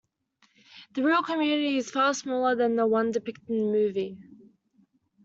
The real community is far smaller than the one depicted in the movie.